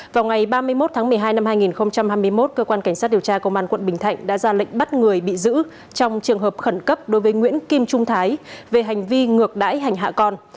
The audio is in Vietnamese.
vào ngày ba mươi một tháng một mươi hai năm hai nghìn hai mươi một cơ quan cảnh sát điều tra công an quận bình thạnh đã ra lệnh bắt người bị giữ trong trường hợp khẩn cấp đối với nguyễn kim trung thái về hành vi ngược đáy hành hạ con